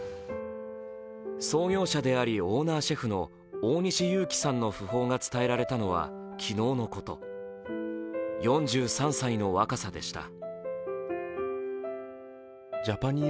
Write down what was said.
創業者であり、オーナーシェフの大西祐貴さんの訃報が伝えられたのは昨日のこと、４３歳の若さでした。